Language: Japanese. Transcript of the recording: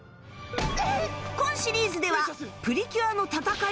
今シリーズではプリキュアの戦いの場に